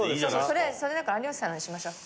それだから有吉さんのにしましょう。